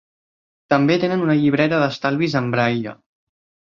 També tenen una llibreta d'estalvis en braille.